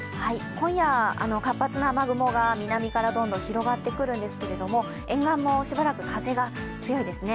今夜、活発な雨雲が南からどんどん広がってくるんですけれども、沿岸もしばらく風が強いですね。